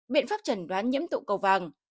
biện pháp trần đoán nhiễm tụ cầu vàng